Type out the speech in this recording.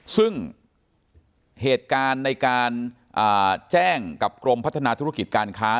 ซึ่งเหตุการณ์ในการแจ้งกับกรมพัฒนาธุรกิจการค้า